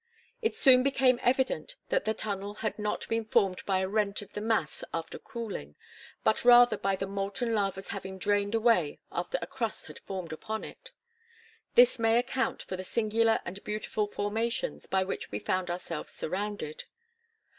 It soon became evident that the tunnel had not been formed by a rent of the mass after cooling, but rather by the molten lava's having drained away after a crust had formed upon it. This may account for the singular and beautiful formations by which we found ourselves surrounded.